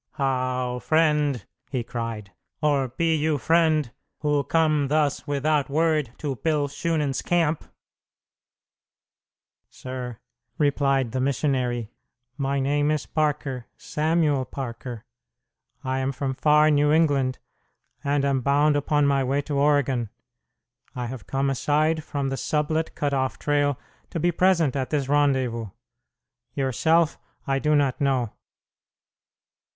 "How, friend!" he cried. "Or be you friend, who come thus without word to Bill Shunan's camp?" "Sir," replied the missionary, "my name is Parker Samuel Parker. I am from far New England, and am bound upon my way to Oregon. I have come aside from the Sublette Cutoff trail to be present at this rendezvous. Yourself I do not know."